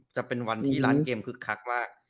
จะเป็นวันที่ร้านเกมคึกคักมาก